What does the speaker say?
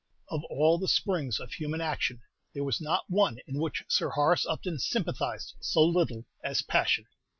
Of all the springs of human action, there was not one in which Sir Horace Upton sympathized so little as passion.